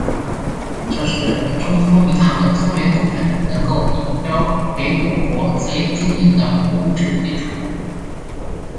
这是中苏民航的苏联股份能够已交给我国自力经营的物质基础。